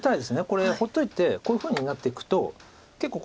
これ放っといてこういうふうになっていくと結構。